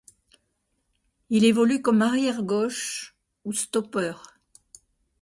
Il évolue comme arrière gauche ou stoppeur.